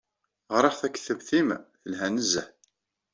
Ɣriɣ taktabt-im, teha nezzeh.